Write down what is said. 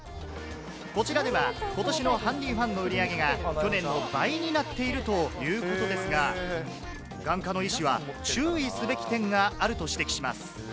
こちらではことしのハンディファンの売り上げが、去年の倍になっているということですが、眼科の医師は、注意すべき点があると指摘します。